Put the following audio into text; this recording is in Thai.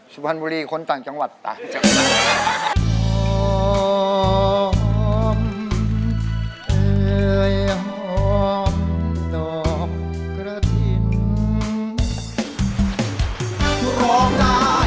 สุพรรณบุรีคนต่างจังหวัดต่างจังหวัด